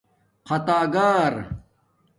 خاطاگار